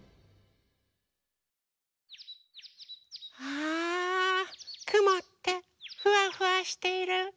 あくもってフワフワしている。